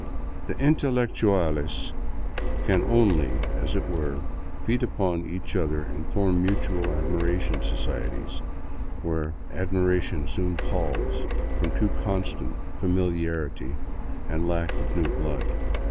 The intelectiiales can only, as it were, feed upon each other and form mutual admiration societies, where admiration soon palls from too constant familiarity and lack of new blood.